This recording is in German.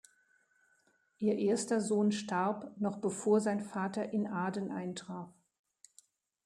Ihr erster Sohn starb, noch bevor sein Vater in Aden eintraf.